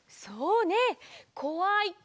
そうねこわい